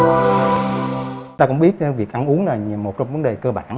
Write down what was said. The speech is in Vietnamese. chúng ta cũng biết việc ăn uống là một trong vấn đề cơ bản